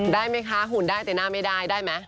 ได้ไหมคะหุ่นได้แต่หน้าไม่ได้ได้ไหม